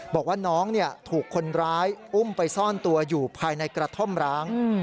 บอกว่าน้องถูกคนร้ายอุ้มไปซ่อนตัวอยู่ภายในกระท่อมร้าง